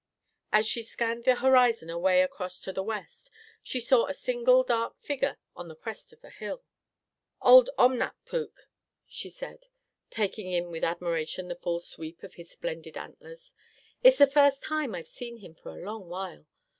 As she scanned the horizon away across to the west, she saw a single dark figure on the crest of a hill. "Old Omnap puk," she said, taking in with admiration the full sweep of his splendid antlers. "It's the first time I've seen him for a long while.